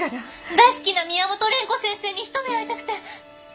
大好きな宮本蓮子先生に一目会いたくて。